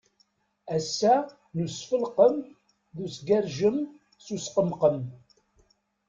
Ass-a n usfelqem d usgerjem, s usqemqem.